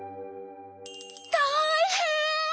たいへん！